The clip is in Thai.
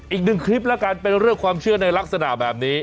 อีกหนึ่งคลิปแล้วกันเป็นเรื่องความเชื่อในลักษณะแบบนี้